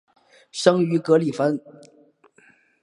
生于格里芬。